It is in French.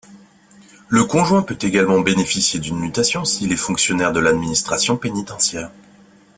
Le conjoint peut également bénéficier d'une mutation s'il est fonctionnaire de l'administration pénitentiaire.